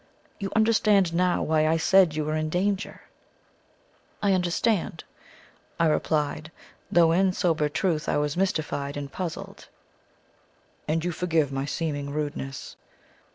You understand now why I said you were in danger?" "I understand," I replied, though in sober truth I was mystified and puzzled. "And you forgive my seeming rudeness?"